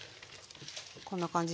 こんな感じで。